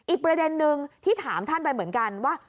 อีกประเด็นนึงที่ถามท่านไปเหมือนกันว่า